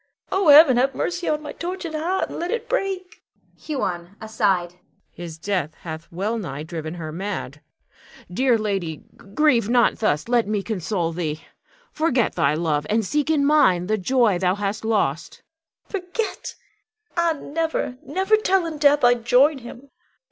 Oh, Heaven, have mercy on my tortured heart, and let it break. Huon [aside]. His death hath well nigh driven her mad. Dear lady, grieve not thus. Let me console thee. Forget thy love, and seek in mine the joy thou hast lost. Bianca. Forget! Ah, never, never, till in death I join him!